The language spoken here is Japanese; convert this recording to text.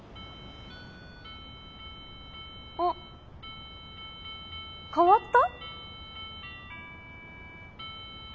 あ変わった？